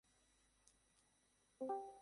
পুরো ক্যাম্পে মৃত্যুর নীরবতা বিরাজ করছিল।